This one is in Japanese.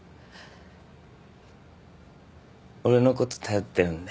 俺のこと頼ってるんで。